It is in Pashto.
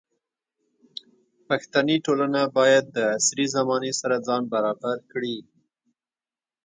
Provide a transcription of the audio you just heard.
پښتني ټولنه باید د عصري زمانې سره ځان برابر کړي.